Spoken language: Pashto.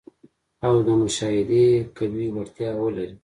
او د مشاهدې قوي وړتیا ولري.